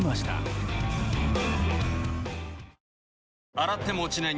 洗っても落ちない